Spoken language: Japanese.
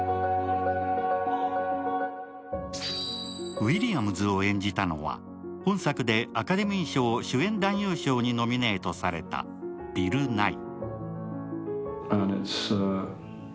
ウィリアムズを演じたのは本作でアカデミー賞主演男優賞にノミネートされたビル・ナイ。